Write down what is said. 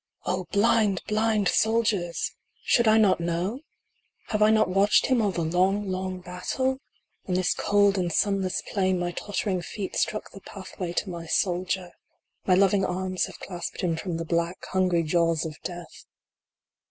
blind, blind soldiers ! Should I not know ? Have I not watched him all the long, long battle ? On this cold and sunless plain my tottering feet struck the pathway to my soldier My loving arms have clasped him from the black, hungry jaws of Death.